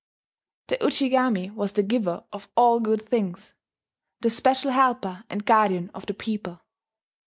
The Ujigami was the giver of all good things, the special helper and guardian of the people.